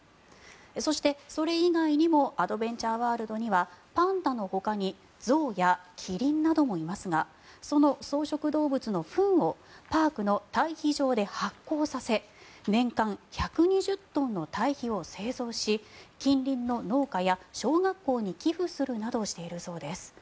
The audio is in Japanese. そして、それ以外にもアドベンチャーワールドにはパンダのほかに象やキリンなどもいますがその草食動物のフンをパークのたい肥場で発酵させ年間１２０トンのたい肥を製造し近隣の農家や小学校に寄付するなどしているそうです。